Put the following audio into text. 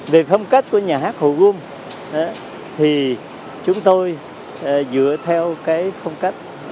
về phong cách của nhà hát hồ gươm thì chúng tôi dựa theo cái phong cách